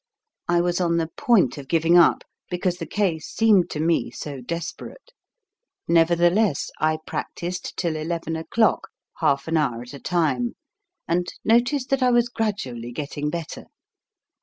I was on the point of giving up, because the case seemed to me so desperate. Nevertheless, I practised till eleven o'clock, half an hour at a time, and noticed that I was gradually getting better.